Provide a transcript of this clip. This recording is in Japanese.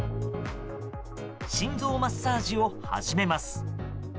心臓マッサージを始めます。